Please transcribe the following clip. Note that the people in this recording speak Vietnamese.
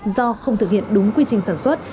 do không thực hiện đúng quy trình sản xuất